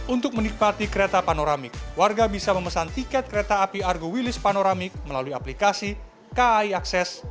untuk menikmati kereta panoramik warga bisa memesan tiket kereta api argo wilis panoramik melalui aplikasi kai akses